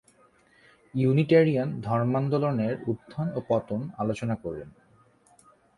Unitarian ধর্মান্দোলনের উত্থান ও পতন আলোচনা করুন।